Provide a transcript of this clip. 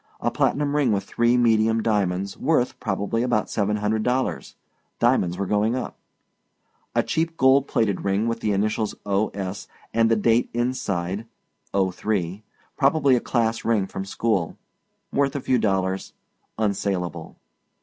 A platinum ring with three medium diamonds, worth, probably, about seven hundred dollars. Diamonds were going up. A cheap gold plated ring with the initials O. S. and the date inside '03 probably a class ring from school. Worth a few dollars. Unsalable.